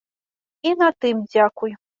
І на тым дзякуй.